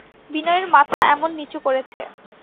বিনয়ে মাথা এমন নিচু করেছে।